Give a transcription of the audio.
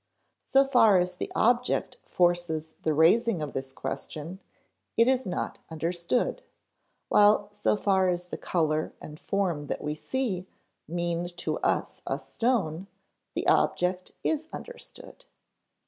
So far as the object forces the raising of this question, it is not understood; while so far as the color and form that we see mean to us a stone, the object is understood.